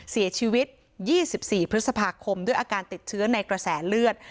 เสียชีวิต๒๔พฤษภาคมด้วยอาการติดเชื้อในกระแสเลือด